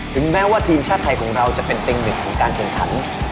ถึงแม้ว่าทีมชาติไทยของเราจะเป็นเต็งหนึ่งของการแข่งขัน